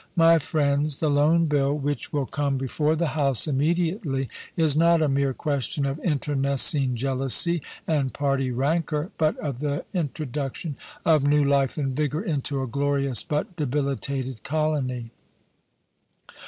My friends, the Loan Bill, which will come before the House immediately, is not a mere question of internecine jealousy and party rancour, but of the introduction of new life and vigour into a glorious but debilitated colony